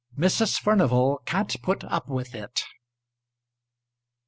MRS. FURNIVAL CAN'T PUT UP WITH IT.